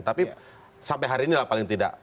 tapi sampai hari ini lah paling tidak